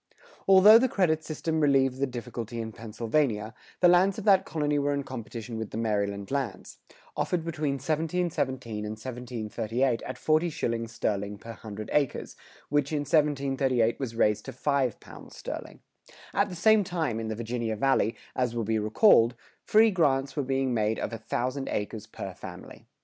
[101:5] Although the credit system relieved the difficulty in Pennsylvania, the lands of that colony were in competition with the Maryland lands, offered between 1717 and 1738 at forty shillings sterling per hundred acres, which in 1738 was raised to five pounds sterling.[101:6] At the same time, in the Virginia Valley, as will be recalled, free grants were being made of a thousand acres per family.